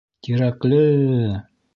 Тирәкле!..